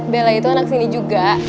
bella itu anak sini juga